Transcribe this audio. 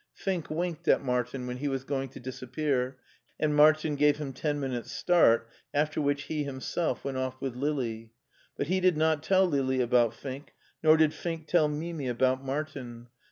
Fink winked at Martin when he was going to disappear, and Martin gave him ten minutes' start, after which he himself went off with Lili ; but he did not tell Lili about Fink, nor did Fink tell Mimi about Martin.